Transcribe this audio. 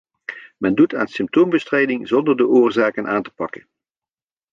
Men doet aan symptoombestrijding zonder de oorzaken aan te pakken.